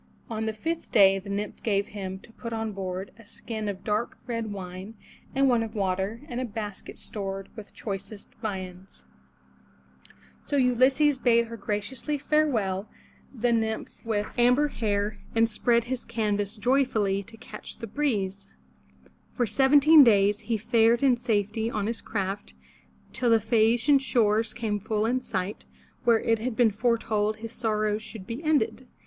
On the fifth day the nymph gave him, to put on board, a skin of dark red wine, and one of water, and a basket stored with choicest viands. So Ulysses bade her graciously farewell, the nymph with 425 MY BOOK HOUSE jB [<^. R yx t^ ^€" fl K 1^^ A^ XN, V/^^^ if ^ y^ w f^ 0^^^^ ^ amber hair, and spread his canvas joyfully to catch the breeze. For seventeen days he fared in safety on his craft, till the Phae a'ci an shores came full in sight, where it had been foretold his sorrows should be ended.